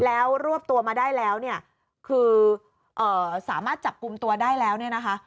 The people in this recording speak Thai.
แล้วรวบตัวมาได้แล้วเนี่ยคือสามารถจับกลุ่มตัวได้แล้วเนี่ยนะคะ